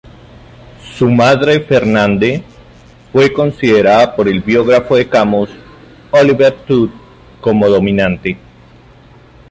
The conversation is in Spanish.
Su madre, Fernande, fue considerada por el biógrafo de Camus, Olivier Todd, como dominante.